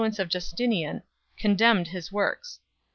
ence of Justinian, condemned his works.